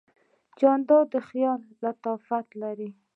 جانداد د خیال لطافت لري.